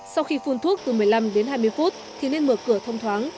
sau khi phun thuốc từ một mươi năm đến hai mươi phút thì nên mở cửa thông thoáng